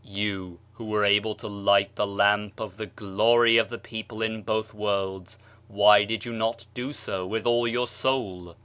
You, who were able to light the lamp of the glory of the people in both worlds — why did you not do so with all your soul?